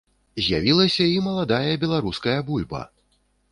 З'явілася і маладая беларуская бульба!